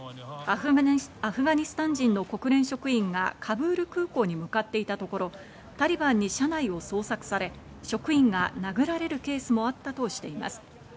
アフガニスタン人の国連職員がカブール空港に向かっていたところ、タリバンに車内を捜索され、職員が殴られるケースもあったとしています。